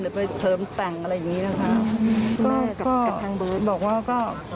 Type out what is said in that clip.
ให้คนห่วงใยอย่าให้คุณแม่ห่วง